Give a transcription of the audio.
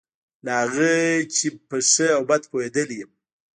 له هغه چې په ښه او بد پوهېدلی یم.